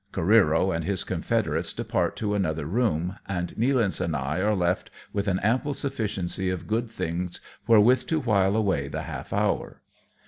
Careero and his confederates depart to another room, and Nealance and I are left with an ample sufficiency of good things wherewith to while away the half hour.